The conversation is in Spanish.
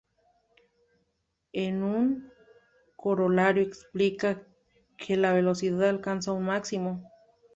En un corolario explica que la velocidad alcanza un máximo.